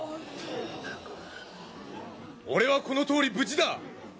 俺はこのとおり無事だ！